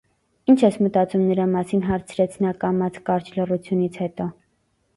- Ի՞նչ ես մտածում նրա մասին,- հարցրեց նա կամաց, կարճ լռությունից հետո: